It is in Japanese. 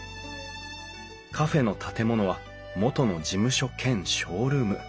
カフェの建物は元の事務所兼ショールーム。